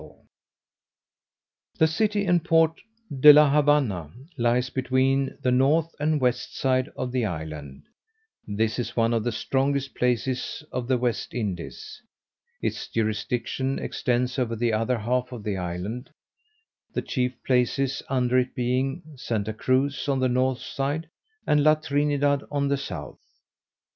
[Illustration: "CAPTAIN MORGAN RECRUITING HIS FORCES" Page 115] The city and port De la Havanna lies between the north and west side of the island: this is one of the strongest places of the West Indies; its jurisdiction extends over the other half of the island; the chief places under it being Santa Cruz on the north side, and La Trinidad on the south.